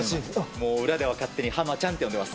もう裏では勝手にはまちゃんと呼んでます。